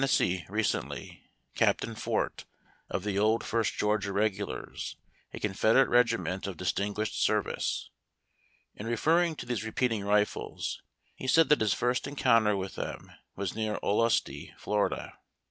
recently, Captain Fort, of the old First Georgia Regulars, a Confederate regiment of distinguished service. In referring to these repeating rifles, he said that his first encounter with them was near Olustee, Fla.